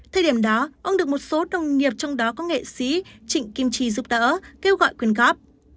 thời điểm đó ông được một số đồng nghiệp trong đó có nghệ sĩ trịnh kim chi giúp đỡ kêu gọi quyên góp